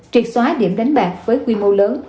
triệt xóa điểm đánh bạc với quy mô lớn